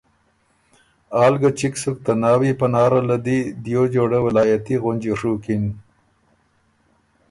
آل ګۀ چِګ سُک ته ناويې پاره له دی دیو جوړۀ ولائتي غُنجی ڒُوکِن